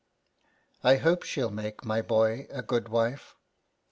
" I hope she'll make my boy a good wife."